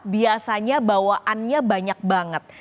biasanya bawaannya banyak banget